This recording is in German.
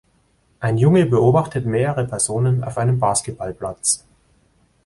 Ein Junge beobachtet mehrere Personen auf einem Basketballplatz.